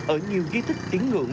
ở nhiều ghi thích tiếng ngưỡng